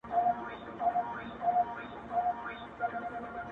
زړه ئې ښه که، کار ئې وکه.